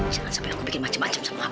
jangan sampai aku bikin macam macam sama kamu